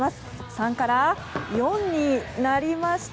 ３から４になりました。